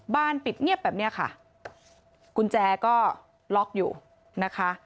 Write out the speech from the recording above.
ปิดเงียบแบบเนี้ยค่ะกุญแจก็ล็อกอยู่นะคะ